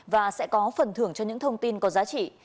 và sẽ có phần thưởng cho những thông tin có giá trị